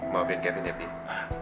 maafin kevin ya pete